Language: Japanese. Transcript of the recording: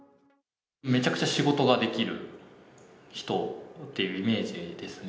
めちゃくちゃ仕事ができる人っていうイメージですね。